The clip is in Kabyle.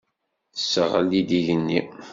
Tesseɣli-d igenni.